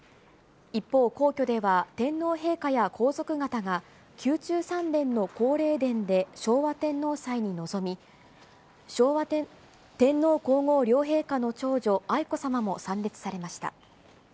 一方、皇居では天皇陛下や皇族方が、宮中三殿の皇霊殿で昭和天皇祭に臨み、天皇皇后両陛下の長女、愛子さまも参列されました。